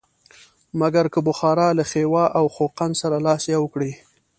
مګر که بخارا له خیوا او خوقند سره لاس یو کړي.